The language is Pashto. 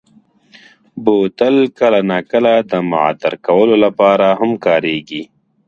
بوتل کله ناکله د معطر کولو لپاره هم کارېږي.